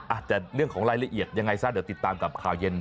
อาจจะเรื่องของรายละเอียดยังไงซะเดี๋ยวติดตามกับข่าวเย็น